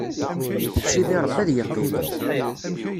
D Sidi Ṛebbi ad yeqqim.